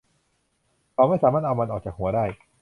เขาไม่สามารถเอามันออกจากหัวได้